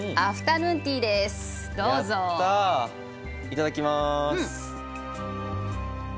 いただきます！